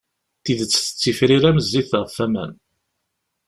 Tidet tettifrir-d am zzit ɣef waman.